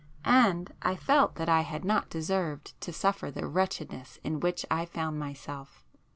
And I felt that I had not deserved to suffer the wretchedness in which I found myself.